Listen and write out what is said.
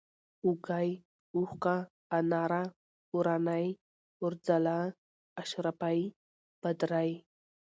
اوږۍ ، اوښکه ، اناره ، اورنۍ ، اورځلا ، اشرفۍ ، بدرۍ